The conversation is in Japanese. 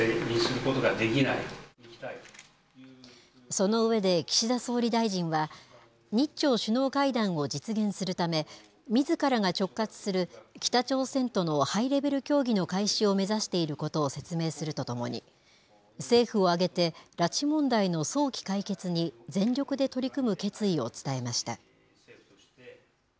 その上で、岸田総理大臣は、日朝首脳会談を実現するため、みずからが直轄する北朝鮮とのハイレベル協議の開始を目指していることを説明するとともに、政府を挙げて拉致問題の早期解決に全力で取り組む決意を伝えました。